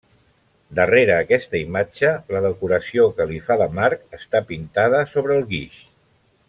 Darrere aquesta imatge, la decoració que li fa de marc està pintada sobre el guix.